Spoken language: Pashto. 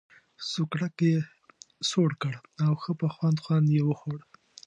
سوکړک یې سوړ کړ او ښه په خوند خوند یې وخوړ.